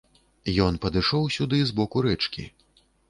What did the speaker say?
Ён падышоў сюды з боку рэчкі.